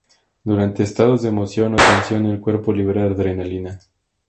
Durante estados de emoción o tensión, el cuerpo libera adrenalina.